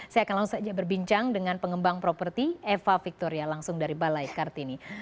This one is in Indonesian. saya akan langsung saja berbincang dengan pengembang properti eva victoria langsung dari balai kartini